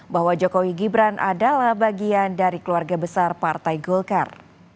bahwa jokowi gibran adalah bagian dari keluarga besar partai golkar